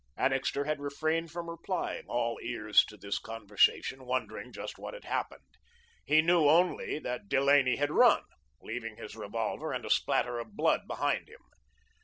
Annixter had refrained from replying, all ears to this conversation, wondering just what had happened. He knew only that Delaney had run, leaving his revolver and a spatter of blood behind him.